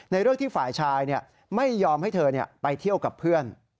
เรื่องที่ฝ่ายชายไม่ยอมให้เธอไปเที่ยวกับเพื่อน